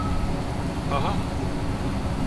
Haham…